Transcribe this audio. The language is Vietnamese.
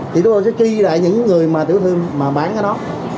thì chúng tôi sẽ ghi lại những người mà tiểu thương bán cái đó